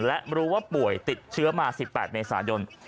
และรู้ว่าป่วยติดเชื้อมา๑๘เมษายน